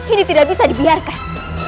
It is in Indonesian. ini tidak bisa dibiarkan